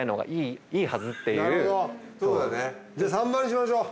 じゃ３番にしましょう。